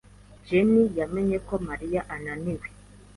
Jenie yamenye ko Mariya ananiwe.